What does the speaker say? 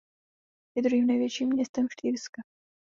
Je druhým největším městem Štýrska.